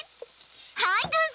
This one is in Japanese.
はいどうぞ！